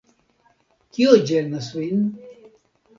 Kio ĝenas vin?